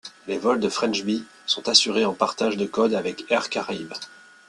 Les vols de French bee sont assurés en partage de code avec Air Caraïbes.